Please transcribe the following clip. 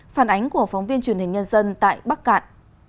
phản ánh của phóng viên truyền hình nhân dân tại bắc cạn